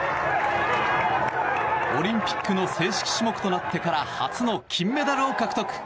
オリンピックの正式種目となってから初の金メダルを獲得。